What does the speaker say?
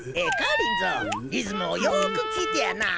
リズムをよく聴いてやなあ。